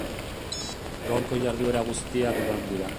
Gaurko jarduera guztiak doan dira.